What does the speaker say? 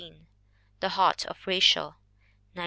The Heart of Rachael, 1916.